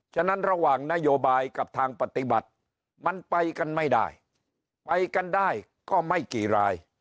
ฉะนั้นระหว่างนโยบายกับทางปฏิบัติมันไปกันไม่ได้ไปกันได้ก็ไม่กี่ราย